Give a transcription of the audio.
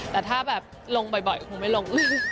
แต่ถ้าแบบลงบ่อยคงไม่ลง